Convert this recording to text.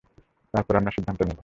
এরপর আমরা সিদ্ধান্ত নিবো।